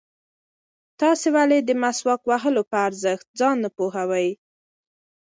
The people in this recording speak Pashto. تاسې ولې د مسواک وهلو په ارزښت ځان نه پوهوئ؟